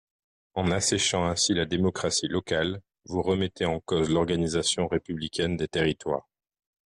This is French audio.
En asséchant ainsi la démocratie locale, vous remettez en cause l’organisation républicaine des territoires.